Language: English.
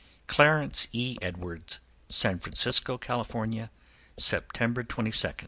Clarence E. Edwords. San Francisco, California, September 22, 1914.